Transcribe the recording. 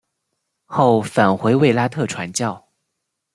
后返回卫拉特传教。